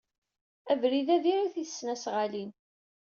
Abrid-a diri-t i tesnasɣalin.